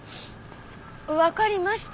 分かりました。